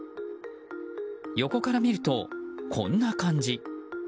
横から見ると、こんな感じ。